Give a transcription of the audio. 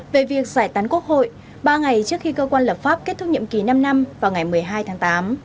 về việc giải tán quốc hội ba ngày trước khi cơ quan lập pháp kết thúc nhiệm kỳ năm năm vào ngày một mươi hai tháng tám